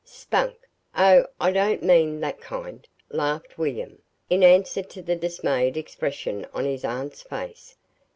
"Spunk. Oh, I don't mean THAT kind," laughed William, in answer to the dismayed expression on his aunt's face.